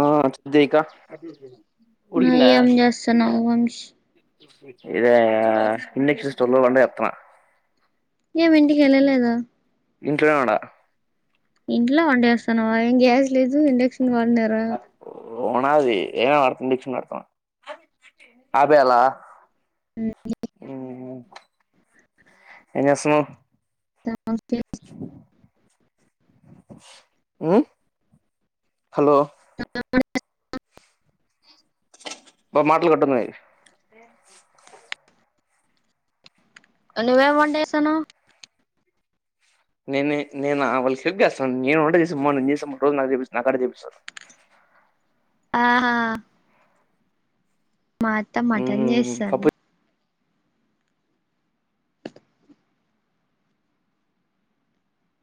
ఆ సెండ్ చే కా ఆ ఏం చేస్తున్నావ్ వంశ్ యా ఇండక్షన్ స్టవ్ లో వంట చెత్తనా ఏం ఇంటికి వెళ్ళలేదా ఇంట్లో నే ఉండా ఇంట్లో వంట చేస్తానవా ఏం గ్యాస్ లేదు ఇండక్షన్ వాడినార ఉనాది ఏ అత డీక్షన్ అడుతున్నా ఆపేయాల మ్ ఎం చేస్తున్నావ్ మ్ హలో బ మాటలు కట్టున్నాయ్ నువ్వేం వంట ఎస్తున్నావ్ నేనే నేనా వాళ్ళకి సెట్ చేస్తాన నేను వంట చేసా మా రోజు నేను పోను నేన్ వంట చేస్తే నాకాడే చూపిస్తారు ఆహా మా అత్త మటన్ ఉమ్ పప్పు చేస్తాంది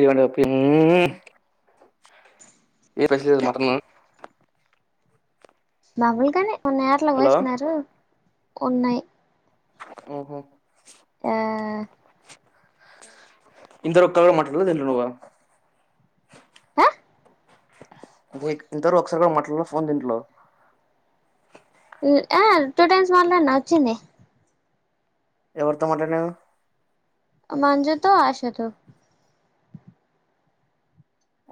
ఊ మ్ ఈరోజు మటన్ మాములు గానే కొన్ని యాట్లు హలో కోసినారు ఉన్నాయి ఉమ్ హు ఆ ఇంతవరకు ఒక్కగా మటన్ తింటున్నావు నువ్వు ఆ లైక్ ఇంత వరకు ఒకసారిగా మాట్లాడ్లా ఫోన్ దీంట్లో ఆ టూ టైమ్స్ మాట్లాడిన వచ్చింది ఎవరితో మాట్లాడినవ్ మంజు తో ఆశ తో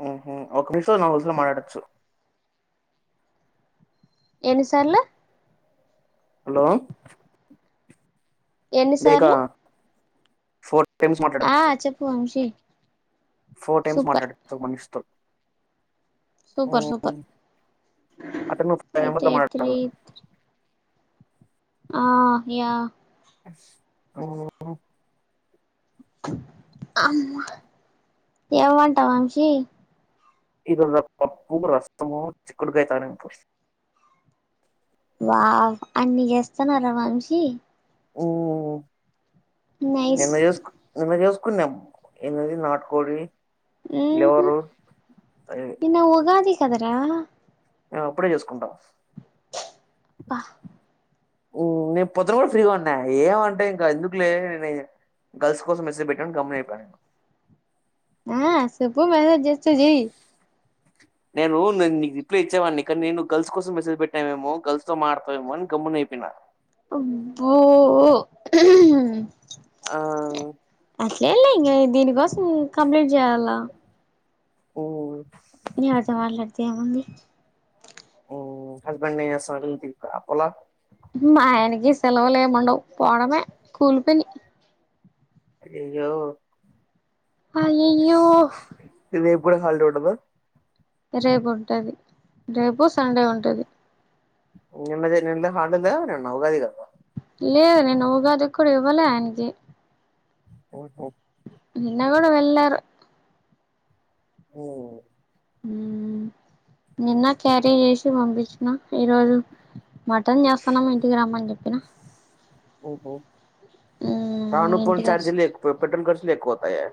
ఉమ్ హు ఒక నిమిష నాలుగు రోజులు మాట్లాడొచ్చు ఏన్ని సార్లు హలో ఎన్ని ఇక సార్లు ఫోర్ టైమ్స్ మాట్లాడచ్చు చెప్పు వంశీ ఫోర్ టైమ్స్ సూపర్ మాట్లాడచ్చు ఒక మనిషితో మ్ ఆ సూపర్ సూపర్ అతను ఒక ఫైవ్ మెంబెర్స్ తో అయితే మాట్లా త్రీ ఆ యా మ్ మ్ అమ్మ ఏమ్ వంట వంశీ ఈ రోజా పప్పు రసము చిక్కుడుగాయ తాలింపు వావ్ అన్ని జేస్తున్నర వంశీ ఊఁ నైస్ ఎన్నిజేసుకొ ఎన్నిజేస్ కున్నం ఏందదీ నాట్ కోడీ ఊహు అవి. నిన్న ఉగాది కదరా మేం అప్పుడే చేసుకుంటాం అబ్బా ఊఁ నేన్ పొద్దున గుడ ఫ్రీగా ఉన్నా ఏమంటే ఇంక ఎందుకు లే అనీ గర్ల్స్ కోసం మెసేజ్ బెట్టావ్ గోమ్మునైపోయా నేను ఆ సుప్పు మెసేజ్ జేస్తె జై [unintelligible] నేనూ నెన్ నీకు రిప్లై ఇచ్చేవాడ్ని కని నేను గర్ల్స్ కోసం మెసేజ్ పెట్టావేమో గర్ల్స్ తో మాట్లాడతావేమో అని గమ్మున అయిపొయిన అబ్బో! ఆ ఏంలే ఇంగ దీనికోసం కంప్లీట్ చేయాలా? ఓయ్! తేముంది ఓ హస్బెండ్ ఏం చేస్తాడు డ్యూటీకి అపోల మా ఆయనకి సెలవులేముండవ్. పోవడమె కూలిపని. అయ్యయ్యో అయ్యయ్యో వోడ హాల్డే ఉండదా? రేపు ఉంటది. రేపు, సండే ఉంటది. నిన్న జా నిన్న హాల్డేనా నిన్న ఉగాది గదా? లేదు నిన్న ఉగాదికూడా ఇవ్వలే ఆయనకి. ఓహో నిన్నగుడా వెళ్లారు. ఓ ఉహ్ నిన్న క్యారీజ్ చేసి పంపించిన. ఈరోజు మటన్ జేస్తున్నాము. ఇంటికి రమ్మని జెప్పిన. ఓహో రాను పోను ఇంటికి చార్జీలు వస్త ఎక్కువే. పెట్రోల్ ఖర్చులే ఎక్కువవుతాయే?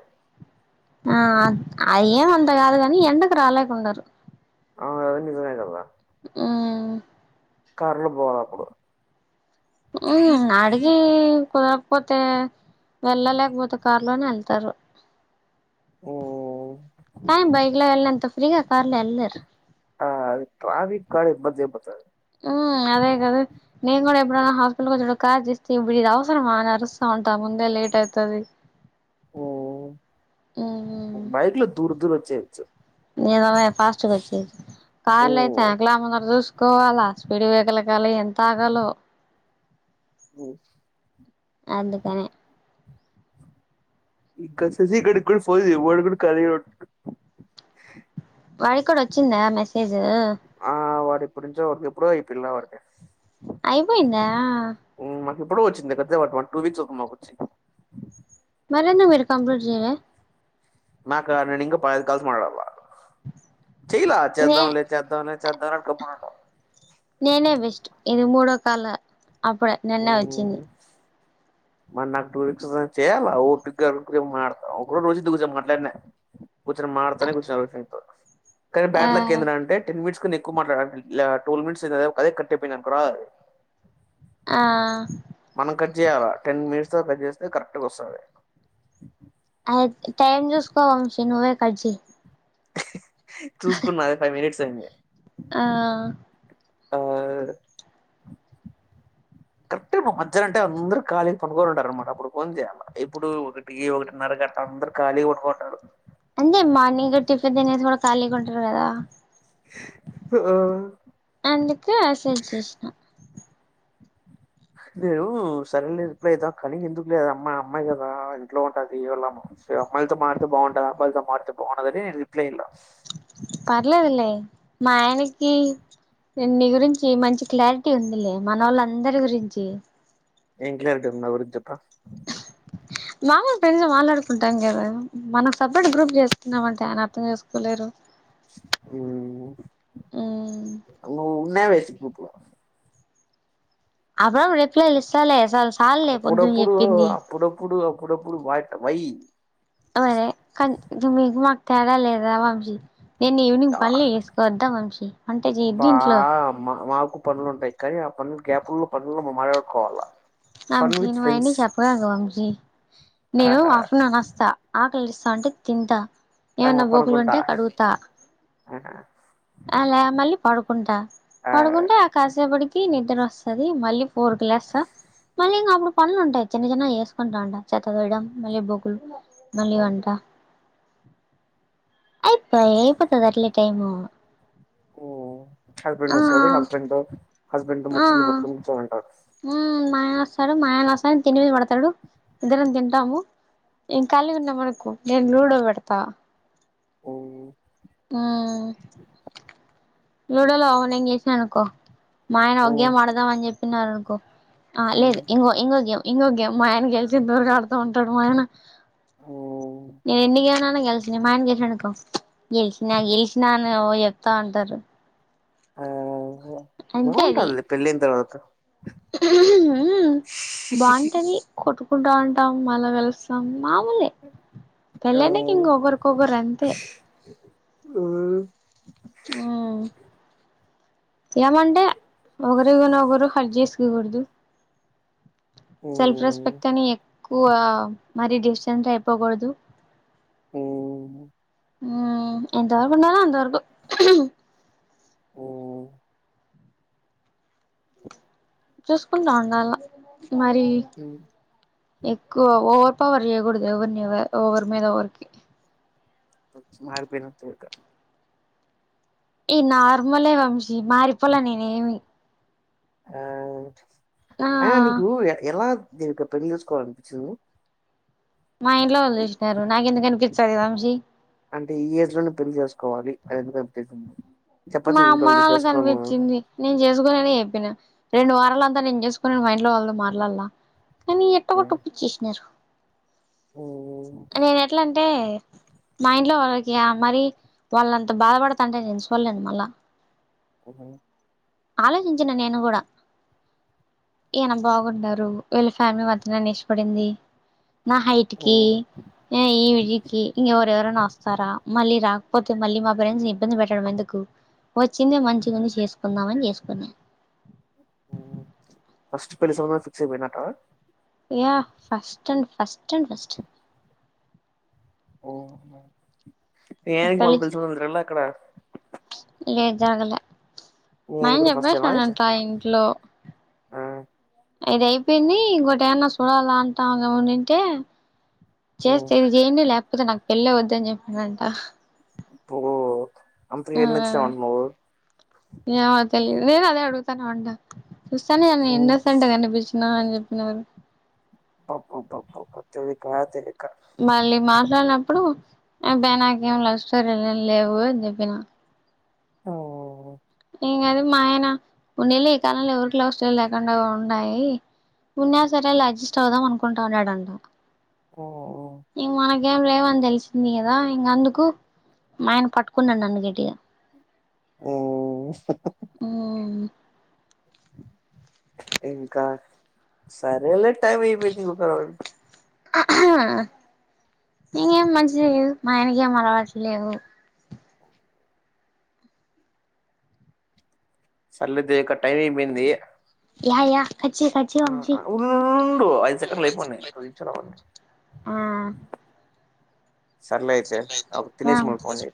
ఆ అది ఏమంత గాదు గనీ ఎండకు రాలేకుండరు. ఆ అది నిజమే కదా? ఉమ్ కర్రె పోలప్పుడు ఊ, అడిగీ కుదరకపోతే, వెళ్ళలేకపోతే కార్ లోనే ఎత్తారు ఉమ్ ఆ కానీ బైక్ లొ వెళ్నంత ఫ్రీగ ఆ ట్రాఫిక్కాడ ఇబ్బంది అయిపోతాది ఊ అదేగాదు. నేను గుడ ఏప్ ఆ హాస్పిటల్కి వచ్చేటప్పుడు కార్ దిస్తే ఇది అవసరమా అని అరుస్తా ఉంటా ముందే లేట్ అయితది. ఓ బైక్ లో దూర్ దూర్ ఒచ్చేది ఈయనపోయ్ ఫాస్ట్గ ఒచ్చేది. కార్లు అయితే ఉమ్ ఎనకల ముందర జూసుకోవాలా. స్పీడ్ బేకరల్ కాల ఎంత ఆగాలో ఓఫ్ అందుకని ఇంక శశీగ్గాడి కూడా ఫోన్ జెయ్ వాడు గుడ కాళీగానే ఉన్ వాడిక్కూడ ఒచ్చిందా మెసేజూ? ఇప్పుడ్ నుంచో ఎప్పుడో అయిపిల్ల వాడికి అయిపోయిందా ఎప్పుడు వచ్చింది పెద్దే [unintelligible] టూ వక్స్ అవుతుంది మాకు వచ్చి మరి ఎందు మీరు కంప్లైట్ చేయలే నాక నేను ఇంకా పదైదు కల్సు మాట్లాడళ్ల చెయలా నే చేద్దాంలే చేద్దాంలే చేద్దాంలే అని గమ్మున ఉండా నేనే బెస్ట్ ఇది మూడో కాల అప్పుడే నిన్నే వచ్చింది మరి నాకు టూ చేయాల ఓపిగ్గా ఆడుకునైనా మాట్లాడతా ఒక రోజు రోజిత్ తో కూర్చొని మాట్లాడినా కూర్చొని మాటాడతానే కూర్చొల్ల మీ ఫ్రెండ్తో కానీ ఆ బ్యాట్ ఏ అంటే టెన్ మినిట్స్ కానీ ఎక్కువ మాట్లాడానికిలా ట్వెల్వ్ మినిట్స్ అయితే అదే కట్ అయిపిన్ అనుకోరా ఆ మనం కట్ చేయాల టెన్ మినిట్స్ తర్వాత కట్ చేస్తే కరెక్ట్గా వస్తాది అ టైమ్ చూసుకో వంశీ నువ్వే కట్ చెయ్ చూసుకున్నది ఫైవ్ మినిట్స్ అయింది ఆ ఆ కరెక్ట్గా నువ్ మధహ్యన అంటే అందరు కాళీగా పనుకో ఉంటారుారనమాట అప్పుడు ఫోన్ చేయాలా ఎప్పుడు ఒకటి ఒకటినారా అందరు కలీగ్ పడుకుంటారు. అంతే మార్నింగ్ టిఫిన్ తినేసి కూడా ఖాళీగా ఉంటారు కదా అందుకే ఆసేజేశ్న నేను సరేలే రిప్లే ఇద్దాం కనీ, ఎందుకులే అమ్మ అమ్మాయి కదా ఇంట్లో ఉంటది. వళ్ళమో సరే అమ్మాయిల్తో మాట్తే భావుంటాదా, అమ్బల్తో మాట్తే బాగుండాదని రిప్లై ఇయ్లా. పర్లేద్లే మాయనకి నేన్ నీ గురించి మంచి క్లారిటీ ఉందిలే. మనోళ్ళ అందరి గురించి. ఏం క్లారిటీ ఉంది నా గురించి చెప్రా మాముల్ ప్రెండ్స్ లా మాట్లాడుకుంటాం గాదా. మనం సప్రేట్ గ్రూప్ చేస్తున్నామంట కానా అర్థం చేసుకోలేరు. ఉమ్ మ్మ్ నువ్వునవే గ్రూప్ లో అప్పుడప్పుడు రిప్లైలిస్తలే స అప్పుడపుడు అప్పుడపుడు అప్పుడపుడు వాట్ వై మరే కనీ ఇప్డ్ మీకు మాక్ తేడాలేద వంశీ. నేను ఈవినింగ్ ఆ, పన్లే చేసుకోవద్దా వంశీ. వంట బా జేయోదీంట్లో. గ్యాపుల్లో, పనుల్లో మ మటడుకోవల్ల వంశీ నువ్వయాన్ని చెప్పగకు వంశీ నేను ఆహా! ఆఫ్నవర్ వస్తా ఆకలేస్తాంటే తింటా, ఆహా! ఏమన్నా పనుకుంటా. బోకులుంటే కడుగుతా. ఆహా! అలా మళ్ళీ పడుకుంటా. ఆ! పడుకుంటా ఆ కాసేపడికి నిద్రోస్తది మళ్ళీ ఫోర్గి లెస్త ఇంగ అప్పుడు పన్లు ఉంటాయి. చిన్న చిన్న చేసుకుంటా అంట. చెత్త వేయడం, మళ్ళీ బొకులు, మళ్ళీ వంట. అయిపై అయిపోతదట్ల టైము ఓ ఆ హస్బెండ్ వస్తాడు. హస్బెండ్తో హస్బెండ్తో ముచ్చిలు పేట్టుకుని కూచోనుంటారు. ఉమ్ మాయన వస్తాడు మాయన వస్తాని తినివి పడతాడు, ఇద్దరం తింటాము. ఏం కలివున్నా మనకో నేను లూడో పెడతా హ్మ్. ఉమ్ లూడోలో ఆ నేన్గెల్షిన అనుకో మా ఆయన ఒక్ హ్మ్. గేమ్ ఆడదాం అని చెప్పినారనుకో. ఆ లేదు హ్మ్. ఇంగో ఇంగో గేమ్, ఇంగో గేమ్, మా ఆయన గెలిసెందవరగా ఆడుతూ ఉంటాడు. మా ఆయన ఓ నే ఎన్నిగణ గెలిచిన, మా ఆయన గెలిసాడనుకో గెల్షిన, గెల్షిన అని ఓ చెప్తా ఉంటారు జూడ్. బావుంటద్లే పెళ్లయిన తర్వాత ఉమ్ బావుంటది. కొట్టుకుంటా ఉంటాం మల్ల కలుస్తాం. మామూలే ఆ! పెళ్లయినంగా ఇంగా ఒకరికొకరు అంతే ఆవు ఆ ఏమంటే ఒకరున ఒకరు హార్ట్ చేసుకోగూడదు. సెల్ఫ్ హ్మ్. రెస్పెక్ట్ అని ఎక్కువ. మరి డిస్టెన్స్ అయిపోగూడదు. అవును ఉమ్ ఎంతవరకు ఉండాల అంతవరకు ఓ చూసుకుంటా ఉండాల. మరి హ్మ్. ఎక్కువ ఓ పవర్ చేయగుడదు ఎవార్ని ఎవ ఒవరుమిధా ఓవరుకి వచ్చి మారీపోయిన తోడక ఈ నార్మలే వంశీ మారిపోల నేనే ఏమి ఆ ఆ అయిన నీకు ఏ ఎలా దేనుకో పెళ్లి చేసుకోవాలినిపించింది. మా ఇంట్లో వాళ్ళు చేస్నారు. నాకేందుకనిపింస్తది. వంశీ అంటే ఈ ఏజ్ లోనే పెళ్లి చేసుకోవాలి, అనేందూకానిపించింది. మా అమ్మ వాళ్ళకి అనిపించింది నేను చేసుకోనిని చెప్పినా రెండు వారాలంతా నేను చేసుకుని మైండ్ లో వాళ్ళదు మార్లాలా కానీ ఎట్టకొ ఉప్పుచ్చేసినారు నేను ఎట్లా అంటే అంటే మా ఇంట్లో వాళ్ళకి మరి వాళ్ళంత బాధపడుతంటే నేను పలేను మళ్ళ కోహ ఆలోచించిన నేను కూడా ఈయన బాగున్నారుారు వీళ్ళ ఫ్యామిలీ మధ్యనే న ఇష్టపడింది నా హైట్కి ఈడికి ఇ ఎవరైనా వస్తారా మళ్ళీ రాకపోతే మళ్ళీ మా ఫ్రెండ్స్ ని ఇబ్బంది పెట్టడం ఎందుకు వచ్చిందే మంచిగాని చేసుకుందామని చేసుకున్నా ఫస్ట్ పెళ్లి స ఫిక్స్ అయిపోయినాట yeah first and first and first ఓ ననికి మళ్ళ పెళ్ళి తెలుసుకుందలా అక్కడ లేదు జరగలే మీ మ ఆయన ఏం కూడా ఫస్ట్ టైమా అయితే చెప్పేసానంట ఇంట్లో ఇది అయిపోయింది ఇంకోటి ఏమన్నా చూడాలా అంటాముమంటే చేస్తే ఇది చేయండి లేకపోతే నాకు పెళ్ళి వద్ద్ద అని చెప్పానంట పో అకి ఆ ఎచ్చిన అంట మ ఏమో తెలిదు నేను అదే అడుగుతాను అంట చూస్తాను నేను ఇండోసెంంట కనిపించినా అని చెప్ప అన్నారుారు ప ప ప ప చోది కాతే మళ్ళీ మాట్లాడనప్పు ఇప్పుడు బయి నాకేం ల్స్తు లేవు అని చెప్పినా ఓ ఇంకాది మా ఆయన ఉండేళ్ి ఈ కాలంలో ఎవరికిలా స్టలు లేకుండా ఉన్నాయి ఉన్నా సరే అలా అడ్జిస్ట్ అవుదాం అనుకుంటా ఉన్నాడంట ఓఓ ఇంకేం లేవని తెలిసింది కదా ఇంక అందుకు ఆయన పట్టుకున్నాండి అందుగటిగా ఓ ఇంకా సరేల టైమ్ అయిపోయిక్క నకేం మంచి లేదు మా ఆయనక ఏం అలవాట్లు లేవు సల్లేదు ొక్క టైమింగ్ పోయింది య య ఆ ఉండు ఐదు సెకండ్లు అయిపోయి చదిించ రావండి ఆ సర్లే అయితే సర్దయింది తినేసి మనం ఫోన్ చేయి